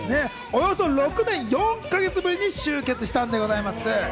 およそ６年４か月ぶりに集結したんでございます。